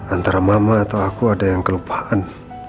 antara mama atau aku ada yang kelupaan